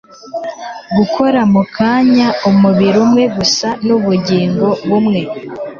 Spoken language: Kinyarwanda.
Gukora mu kanya umubiri umwe gusa nubugingo bumwe